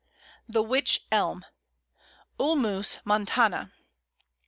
The Wych Elm (Ulmus montana).